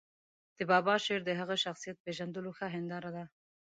د بابا شعر د هغه شخصیت پېژندلو ښه هنداره ده.